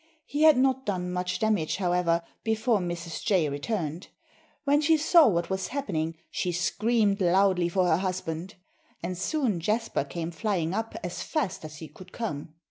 He had not done much damage, however, before Mrs. Jay returned. When she saw what was happening she screamed loudly for her husband. And soon Jasper came flying up as fast as he could come.